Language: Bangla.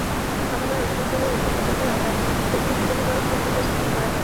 সমবায় অধিদপ্তরের একটি প্রকল্পের আওতায় দুগ্ধ শীতলীকরণ কেন্দ্রটি স্থাপন করা হয়।